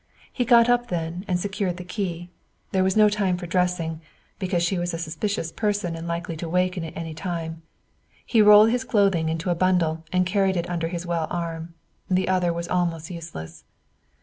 He got up then and secured the key. There was no time for dressing, because she was a suspicious person and likely to waken at any time. He rolled his clothing into a bundle and carried it under his well arm. The other was almost useless.